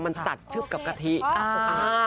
มันตัดฉืบกับกะทิอ่า